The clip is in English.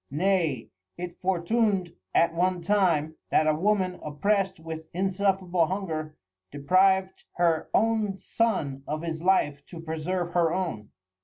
Nay it fortun'd at one time, that a Woman opprest with insufferable Hunger, depriv'd her own Son of his Life to preserve her own.